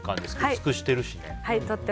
薄くしてるしね。